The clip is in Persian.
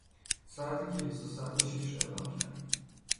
ساعت کلیسا ساعت شش را اعلام کرد.